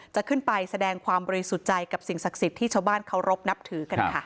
จะขึ้นไปแสดงความบริสุทธิ์ใจกับสิ่งศักดิ์สิทธิ์ที่ชาวบ้านเคารพนับถือกันค่ะ